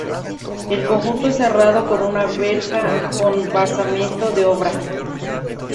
El conjunto es cerrado con una verja con basamento de obra.